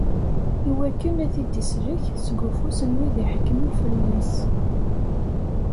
Iwakken ad t-id-isellek seg ufus n wid iḥekmen fell-as.